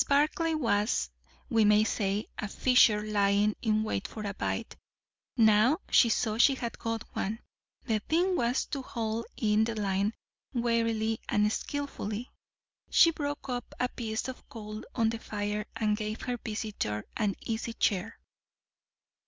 Barclay was, we may say, a fisher lying in wait for a bite; now she saw she had got one; the thing was to haul in the line warily and skilfully. She broke up a piece of coal on the fire, and gave her visitor an easy chair.